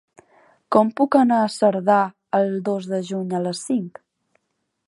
Com puc anar a Cerdà el dos de juny a les cinc?